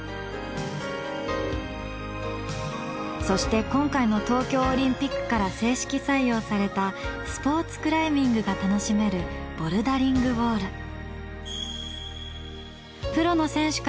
そして今回の東京オリンピックから正式採用されたスポーツクライミングが楽しめるボルダリングウォール。